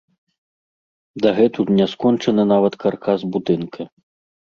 Дагэтуль няскончаны нават каркас будынка.